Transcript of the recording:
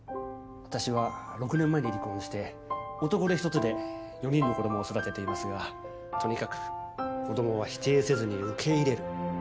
私は６年前に離婚して男手一つで４人の子どもを育てていますがとにかく子どもは否定せずに受け入れる。